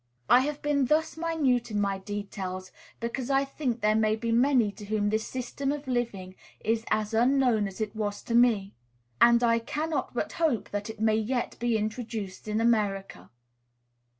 I have been thus minute in my details because I think there may be many to whom this system of living is as unknown as it was to me; and I cannot but hope that it may yet be introduced in America.